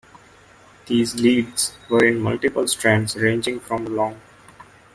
These leads were in multiple strands ranging from long.